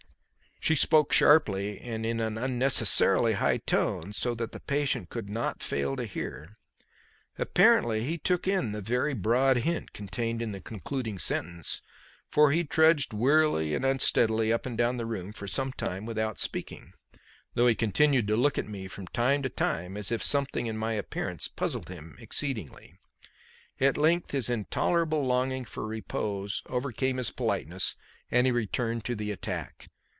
She spoke sharply and in an unnecessarily high tone so that the patient could not fail to hear. Apparently he took in the very broad hint contained in the concluding sentence, for he trudged wearily and unsteadily up and down the room for some time without speaking, though he continued to look at me from time to time as if something in my appearance puzzled him exceedingly. At length his intolerable longing for repose overcame his politeness and he returned to the attack.